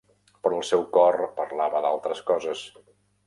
Però el seu cor parlava d'altres coses.